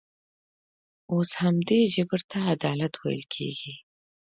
اوس همدې جبر ته عدالت ویل کېږي.